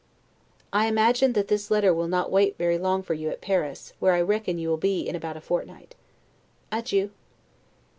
I imagine that this letter will not wait for you very long at Paris, where I reckon you will be in about a fortnight. Adieu.